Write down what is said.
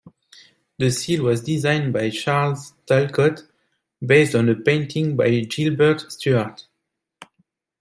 The seal was designed by Charles Talcott, based on a painting by Gilbert Stuart.